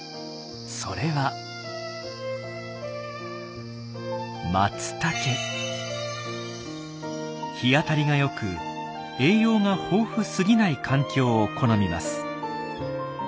それは日当たりが良く栄養が豊富すぎない環境を好みます。